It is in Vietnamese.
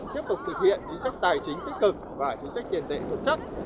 tiếp tục thực hiện chính sách tài chính tích cực và chính sách tiền tệ thực chất